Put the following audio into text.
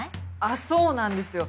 あっそうなんですよ。